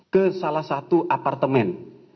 ke salah satu apartemen